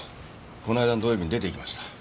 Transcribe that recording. このあいだの土曜日に出て行きました。